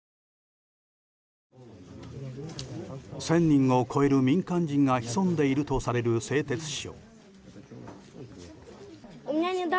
１０００人を超える民間人が潜んでいるとされる製鉄所。